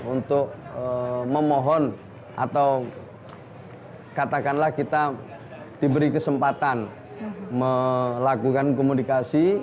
untuk memohon atau katakanlah kita diberi kesempatan melakukan komunikasi